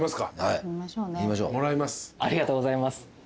ありがとうございます。